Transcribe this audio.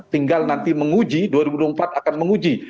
tinggal nanti menguji dua ribu empat akan menguji